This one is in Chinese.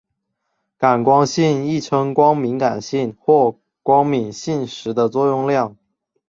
感光性亦称光敏感度或光敏性时的作用量。